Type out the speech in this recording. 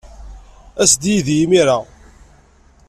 As-d yid-i imir-a.